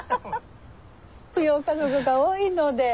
扶養家族が多いので。